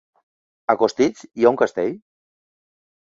A Costitx hi ha un castell?